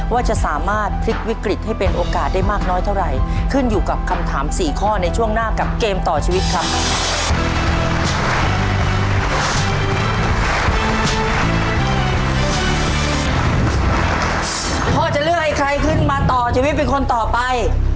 พ่อจะเลือกให้ใครขึ้นมาต่อชีวิตเป็นคนต่อไป